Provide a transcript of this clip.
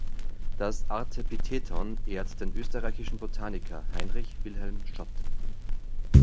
Das Artepitheton ehrt den österreichischen Botaniker Heinrich Wilhelm Schott.